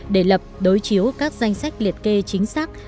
để lập đối chiếu các danh sách liệt kê chính xác